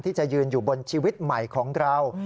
ที่จะยืนอยู่บนชีวิตใหม่ของเรา